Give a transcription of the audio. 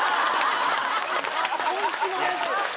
本気のやつ。